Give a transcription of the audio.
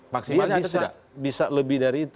maksimalnya ada tidak